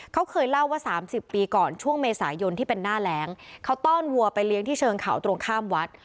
เขาเคยเล่าว่าสามสิบปีก่อนช่วงเมษายนที่เป็นหน้าแรงเขาต้อนวัวไปเลี้ยงที่เชิงเขาตรงข้ามวัด